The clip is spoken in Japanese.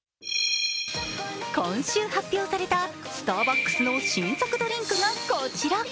今週発表された、スターバックスの新作ドリンクがこちら。